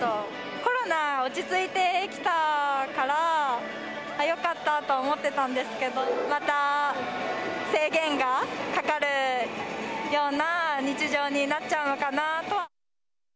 コロナ落ち着いてきたから、よかったと思ってたんですけど、また制限がかかるような日常になっちゃうのかなとは。